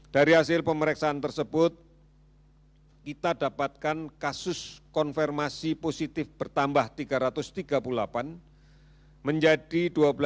dari hasil pemeriksaan tersebut kita dapatkan kasus konfirmasi positif bertambah tiga ratus tiga puluh delapan menjadi dua belas tujuh ratus tujuh puluh enam